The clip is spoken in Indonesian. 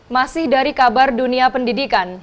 masih dari kabar dunia pendidikan